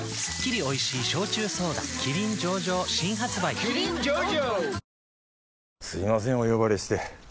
「キリン上々」新発売キリン上々！